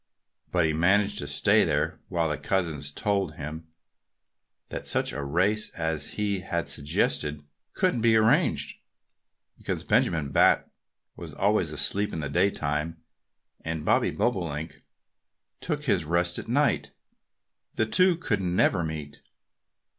But he managed to stay there while the cousins told him that such a race as he had suggested couldn't be arranged, because Benjamin Bat was always asleep in the daytime, and Bobby Bobolink took his rest at night. The two could never meet.